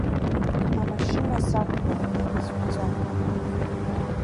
Амашьына сақәтәоуп, изжәӡом.